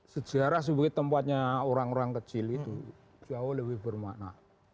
sejarah sebagai tempatnya orang orang kecil itu jauh lebih bermakna